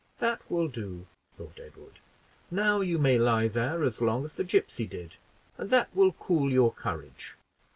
"That will do," thought Edward, "now you may lie there as long as the gipsy did, and that will cool your courage.